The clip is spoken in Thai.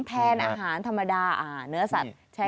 แทนอาหารธรรมดาเนื้อสัตว์แช่แข็ง